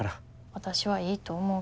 わたしはいいと思うけど。